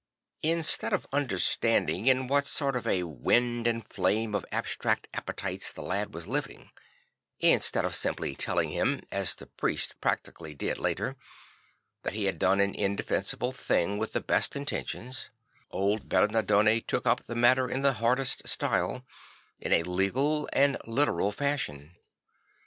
Instead of u derstanding 60 St. Francis of Assisi in what sort of a ,vind and flame of abstract appetites the lad was living, instead of simply telling him (as the priest practically did later) that he had done an indefensible thing with the best intentions, old Bernardone took up the matter in the hardest style; in a legal and literal fashion.